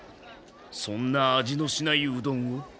そんな味のしないうどんを？